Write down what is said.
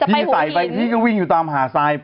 พี่ใส่ไปก็วิ่งตามหาทราย